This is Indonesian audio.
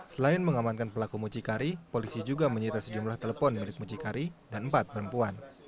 selain mengamankan pelaku mucikari polisi juga menyita sejumlah telepon milik mucikari dan empat perempuan